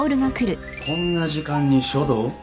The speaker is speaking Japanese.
こんな時間に書道？